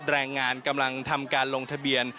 แรงงานกำลังทำการลงทะเบียน